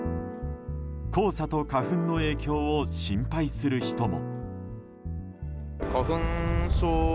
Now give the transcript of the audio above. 黄砂と花粉の影響を心配する人も。